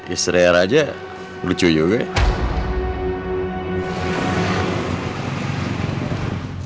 istri raja lucu juga ya